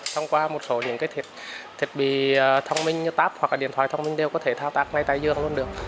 thông qua một số những thiết bị thông minh như táp hoặc điện thoại thông minh đều có thể thao tác ngay tại dương luôn được